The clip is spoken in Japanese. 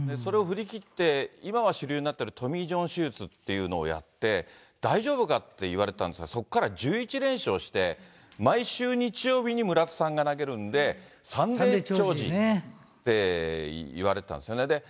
それを振り切って、今は主流になっているトミージョン手術というのをやって、大丈夫かって言われてたんですが、そこから１１連勝して、毎週日曜日に村田さんが投げるんで、サンデー兆治っていわれてたんですよね。